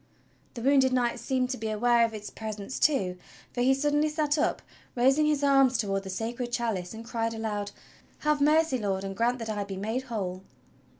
The wounded Knight seemed to be aware of its presence too, for he suddenly sat up raising his arms toward the Sacred Chalice and cried aloud: "Have mercy. Lord, and grant that I be made whole!"